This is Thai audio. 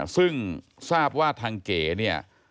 ซึ่งทราบว่าทางเก๋เนี่ย